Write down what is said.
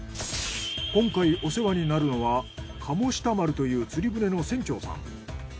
今回お世話になるのは鴨下丸という釣船の船長さん。